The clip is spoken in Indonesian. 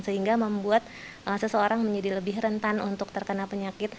sehingga membuat seseorang menjadi lebih rentan untuk terkena penyakit